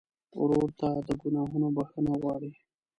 ورور ته د ګناهونو بخښنه غواړې.